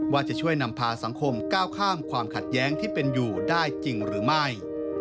ว่าจะช่วยนำพาสังคมก้าวข้ามความขัดแย้งที่เป็นอยู่ได้จริงหรือไม่